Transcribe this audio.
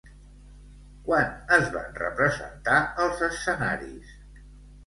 Quan es van representar als escenaris?